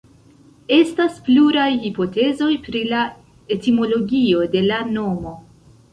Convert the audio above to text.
Estas pluraj hipotezoj pri la etimologio de la nomo.